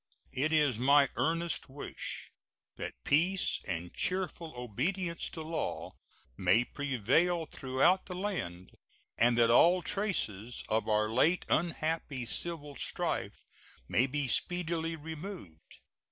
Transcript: It is my earnest wish that peace and cheerful obedience to law may prevail throughout the land and that all traces of our late unhappy civil strife may be speedily removed.